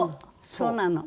そうなの。